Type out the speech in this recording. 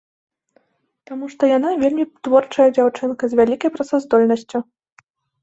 Таму што яна вельмі творчая дзяўчынка, з вялікай працаздольнасцю.